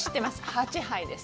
８杯です。